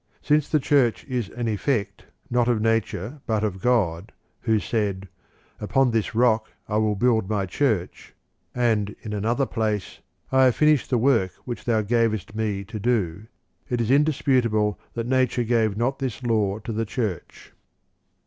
Since the Church is an effect not of nature, but of God, who said, " Upon this rock I will build my Church," ' and in another place, " I have finished the work which thou gavest me to do," ' it is indis putable that nature gave not this law to the Church.